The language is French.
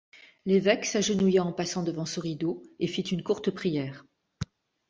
L’évêque s’agenouilla en passant devant ce rideau et fit une courte prière.